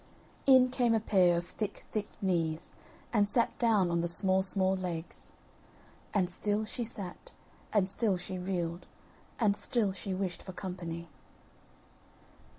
In came a pair of thick thick knees, and sat down on the small small legs; And still she sat, and still she reeled, and still she wished for company.